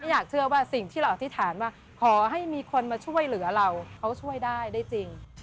อยากเชื่อว่าสิ่งที่เราอธิษฐานว่าขอให้มีคนมาช่วยเหลือเราเขาช่วยได้ได้จริง